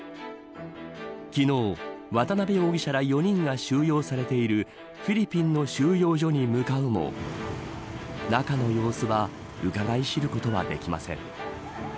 昨日、渡辺容疑者ら４人が収容されているフィリピンの収容所に向かうも中の様子はうかがい知ることはできません。